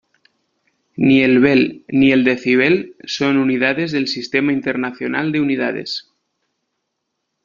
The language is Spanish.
Ni el bel, ni el decibel son unidades del Sistema internacional de unidades.